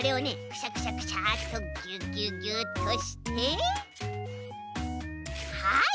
クシャシャクシャっとギュッギュッギュッとしてはい！